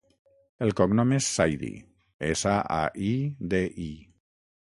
El cognom és Saidi: essa, a, i, de, i.